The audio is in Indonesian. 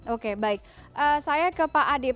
oke baik saya ke pak adib